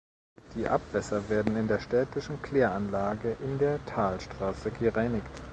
Die Abwässer werden in der städtischen Kläranlage in der Talstraße gereinigt.